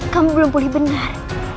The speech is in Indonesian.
kamu belum pulih benar